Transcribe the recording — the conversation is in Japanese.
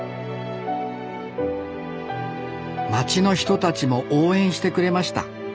町の人たちも応援してくれました。